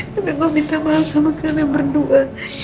tapi gue minta maaf sama kami berdua